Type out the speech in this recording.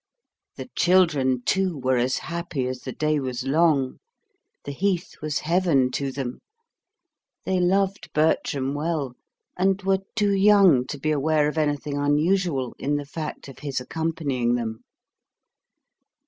The children, too, were as happy as the day was long. The heath was heaven to them. They loved Bertram well, and were too young to be aware of anything unusual in the fact of his accompanying them.